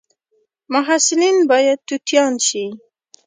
محصلین باید توتیان شي